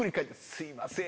「すいません」